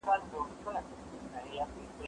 له وړو او له لویانو لاري ورکي